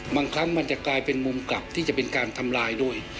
บางครั้งมันจะกลายเป็นมุมกลับที่จะเป็นการทำลายด้วย